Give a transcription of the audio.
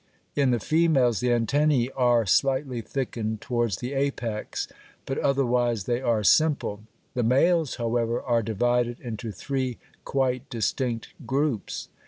In the females the antennæ are slightly thickened towards the apex, but otherwise they are simple. The males, however, are divided into three quite distinct groups.